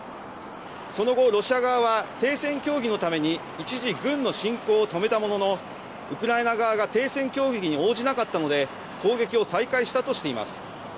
その後、ロシア側は停戦協議のために、一時、軍の進行を止めたものの、ウクライナ側が停戦協議に応じなかったので、攻撃を再開したとしています。